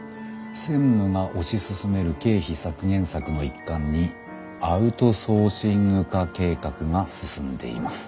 専務が推し進める経費削減策の一環にアウトソーシング化計画が進んでいます。